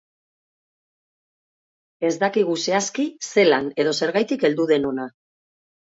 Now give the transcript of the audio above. Ez dakigu zehazki zelan edo zergatik heldu den hona.